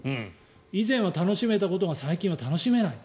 以前は楽しめたことが最近楽しめない。